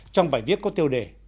trong bài viết có tiêu đề